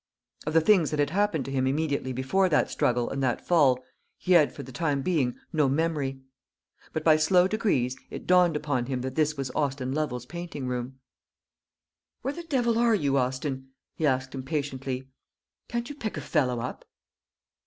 Of the things that had happened to him immediately before that struggle and that fall, he had, for the time being, no memory. But by slow degrees it dawned upon him that this was Austin Lovel's painting room. "Where the devil are you, Austin?" he asked impatiently. "Can't you pick a fellow up?"